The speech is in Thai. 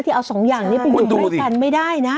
พี่เอาสองอย่างนี้ไปยุมไว้กันไม่ได้นะ